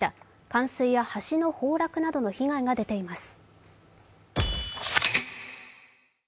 冠水や橋の崩落などの被害が出ています。